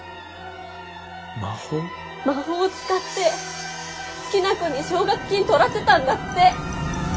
魔法を使って好きな子に奨学金取らせたんだって。